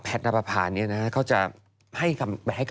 แพทย์น้ำประพานนี่นะเขาจะให้กำลังใจไหม